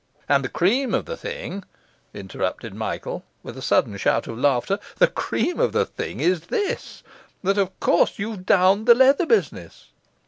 'And the cream of the thing,' interrupted Michael, with a sudden shout of laughter, 'the cream of the thing is this, that of course you've downed the leather business!